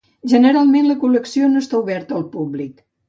Generalment, la col·lecció no està oberta al públic.